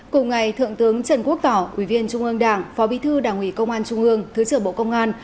cùng ngày thượng tướng trần quốc tỏ ủy viên trung ương đảng phó bí thư đảng ủy công an trung ương thứ trưởng bộ công an